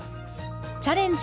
「チャレンジ！